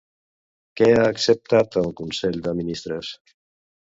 Què ha acceptat el consell de ministres?